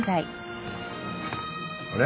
あれ？